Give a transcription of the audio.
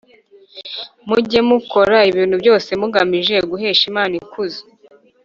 Mujye mukora ibintu byose mugamije guhesha Imana ikuzo